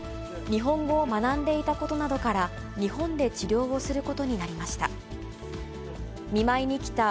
日本語を学んでいたことなどから、日本で治療をすることになりました。